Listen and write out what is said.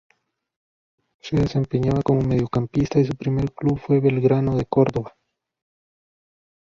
Se desempeñaba como mediocampista y su primer club fue Belgrano de Córdoba.